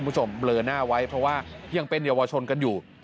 คุณผู้ชมเบลอหน้าไว้เพราะว่ายังเป็นเยาวชนกันอยู่